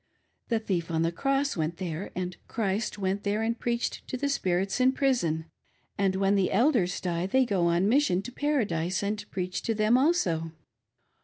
The thief on the cross went there, and Christ went there and preached to the spirits in prison, and when the Elders die they go on mission to Paradise and preach to them also.